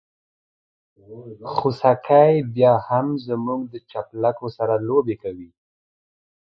خوسکي بيا هم زموږ د چپلکو سره لوبې کوي.